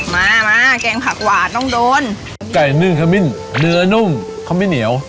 มามาแกงผักหวานต้องโดนไก่นึ่งขมิ้นเนื้อนุ่มขมิ้นเหนียว